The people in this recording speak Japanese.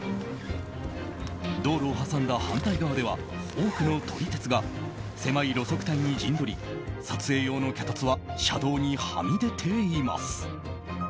道路を挟んだ反対側では多くの撮り鉄が狭い路側帯に陣取り撮影用の脚立は車道にはみ出ています。